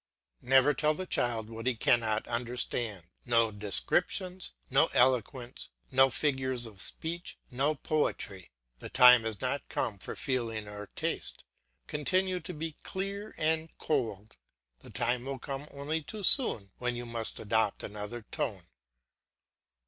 Never tell the child what he cannot understand: no descriptions, no eloquence, no figures of speech, no poetry. The time has not come for feeling or taste. Continue to be clear and cold; the time will come only too soon when you must adopt another tone.